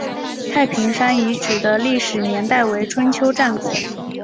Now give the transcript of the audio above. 大坪山遗址的历史年代为春秋战国。